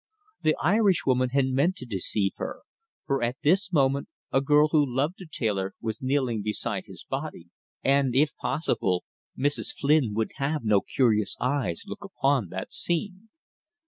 The Irishwoman had meant to deceive her, for at this moment a girl who loved the tailor was kneeling beside his body, and, if possible, Mrs. Flynn would have no curious eyes look upon that scene.